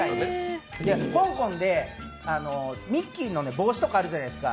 香港でミッキーの帽子とかあるじゃないですか。